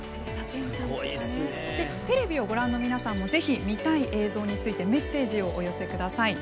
テレビをご覧の皆さんぜひ見たい映像についてメッセージをお寄せください。